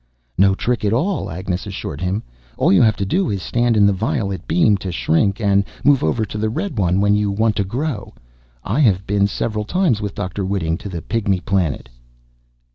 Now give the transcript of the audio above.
"No trick at all," Agnes assured him. "All you have to do is stand in the violet beam, to shrink. And move over in the red one, when you want to grow. I have been several times with Dr. Whiting to the Pygmy Planet."